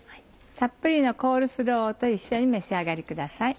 たっぷりのコールスローと一緒に召し上がりください。